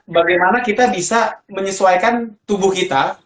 bagaimana kita bisa menyesuaikan tubuh kita